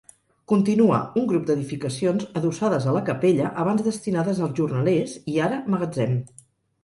Continua un grup d'edificacions adossades a la capella, abans destinades als jornalers i ara, magatzem.